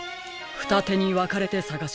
ふたてにわかれてさがしましょう。